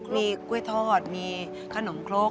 มีกล้วยทอดมีขนมครก